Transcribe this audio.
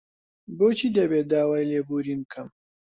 بۆچی دەبێت داوای لێبوورین بکەم؟